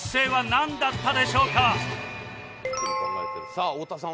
さあ太田さん